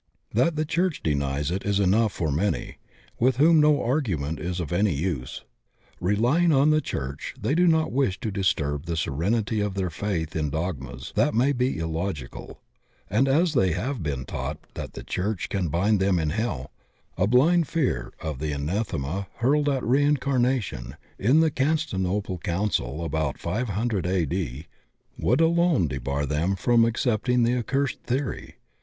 That the church denies it is enough for many, with whom no argument is of any use. Relying on the church, they do not wish to disturb the serenity of their faith in dogmas that may be illogical; and as they have been taught that the church can bind them in hell, a blind fear of the anathema hurled at reincarnation in die Constantinople council about 500 A. D., would alone debar them from accepting the accursed theory.